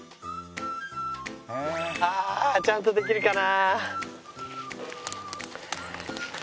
ああちゃんとできるかな？